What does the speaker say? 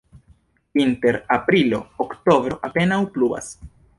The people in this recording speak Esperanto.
Inter aprilo-oktobro apenaŭ pluvas.